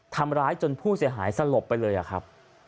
ทำร้ายจนผู้เสียหายสลบไปเลยอะครับ